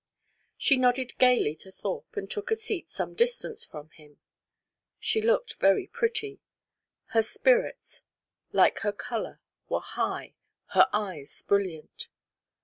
She nodded gaily to Thorpe, and took a seat some distance from him. She looked very pretty. Her spirits, like her colour, were high, her eyes brilliant.